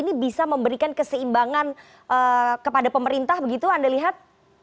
ini bisa memberikan keseimbangan kepada pemerintah begitu anda lihat